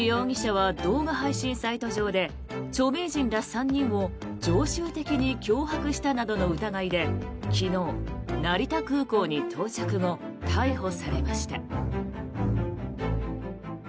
ガーシー容疑者は動画配信サイト上で著名人ら３人を常習的に脅迫したなどの疑いで昨日、成田空港に到着後逮捕されました。